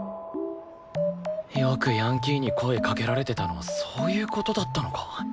よくヤンキーに声かけられてたのはそういう事だったのか。